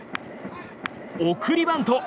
送りバント。